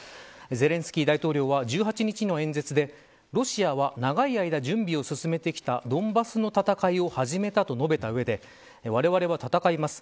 ゼレンスキー大統領は１８日の演説でロシアは長い間準備を進めてきたドンバスの戦いを始めたと述べた上でわれわれは戦います。